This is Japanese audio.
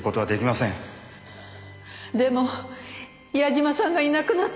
でも矢嶋さんがいなくなったら。